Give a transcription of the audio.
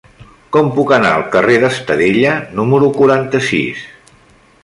Com puc anar al carrer d'Estadella número quaranta-sis?